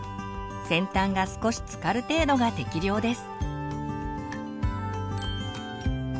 先端が少しつかる程度が適量です。